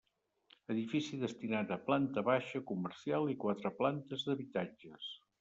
Edifici destinat a planta baixa comercial i quatre plantes d'habitatges.